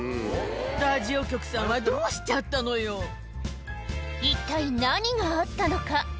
ラジオ局さんはどうしちゃっ一体何があったのか？